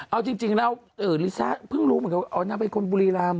เอาจริงแล้วลิซ่าเพิ่งรู้เหมือนกันว่าอ๋อนางเป็นคนบุรีรำ